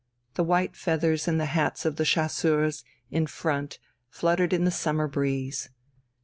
The white feathers in the hats of the chasseurs in front fluttered in the summer breeze.